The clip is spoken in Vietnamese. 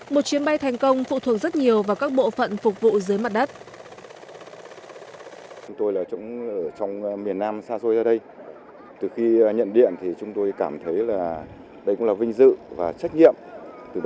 một chuyến bay thành công phụ thuộc rất nhiều vào các bộ phận phục vụ dưới mặt đất